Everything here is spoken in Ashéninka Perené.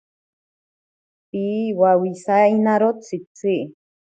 Piwawisainaro tsitsi.